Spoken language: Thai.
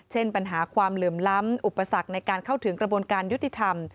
ปัญหาความเหลื่อมล้ำอุปสรรคในการเข้าถึงกระบวนการยุติธรรม